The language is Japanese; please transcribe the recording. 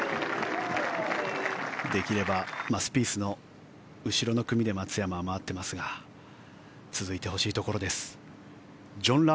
できればスピースの後ろの組で松山は回ってますが続いてほしいところです。